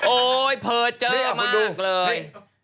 โอ๊ยเผลอเจอมากเลย